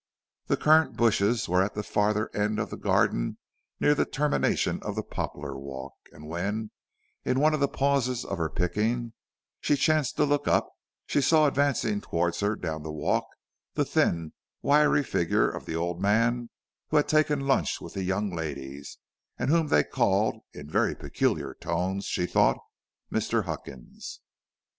The currant bushes were at the farther end of the garden near the termination of the poplar walk, and when, in one of the pauses of her picking, she chanced to look up, she saw advancing towards her down that walk the thin, wiry figure of the old man who had taken luncheon with the young ladies, and whom they called, in very peculiar tones, she thought, Mr. Huckins.